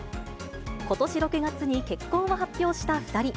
ことし６月に結婚を発表した２人。